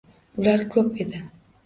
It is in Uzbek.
Ular ko`p edi